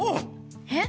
えっ⁉